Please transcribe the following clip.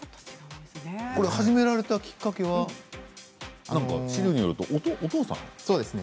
始められたきっかけは資料によるとお父さんですか。？